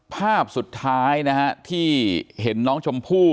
ภาพสุดท้ายนะฮะที่เห็นน้องชมพู่